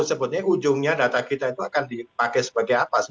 sebetulnya ujungnya data kita itu akan dipakai sebagai apa